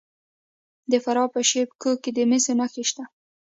د فراه په شیب کوه کې د مسو نښې شته.